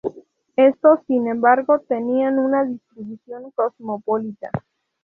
Estos sin embargo, tenían una distribución cosmopolita.